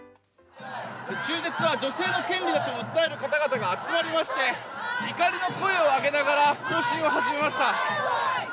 中絶は女性の権利だと訴える方々が集まりまして怒りの声を上げながら行進を始めました。